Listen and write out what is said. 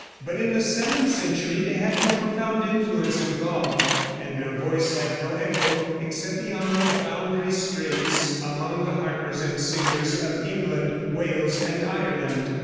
But in the seventh century they had no profound influence in Gaul, and their voice had no echo except beyond the boundary straits among the harpers and singers of England, Wales and Ireland.